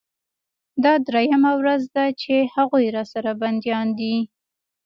دا درېيمه ورځ ده چې هغوى راسره بنديان دي.